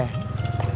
memangnya gak boleh